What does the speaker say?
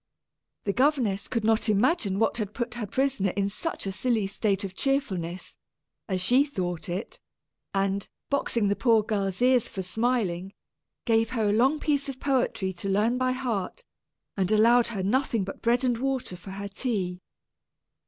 The governess could not imagine what had put her prisoner in such a silly state of cheerfulness, as she thought it; and, boxing the poor girl's ears for smiling, gave her a long piece of poetry to learn by heart, and allowed her nothing but bread and water for her tea.